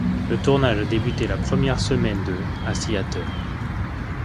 Le tournage a débuté la première semaine de à Seattle.